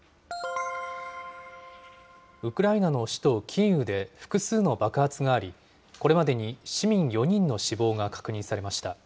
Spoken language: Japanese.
ウクライナの首都キーウで複数の爆発があり、これまでに市民４人の死亡が確認されました。